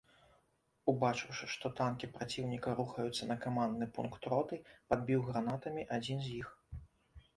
Убачыўшы, што танкі праціўніка рухаюцца на камандны пункт роты, падбіў гранатамі адзін з іх.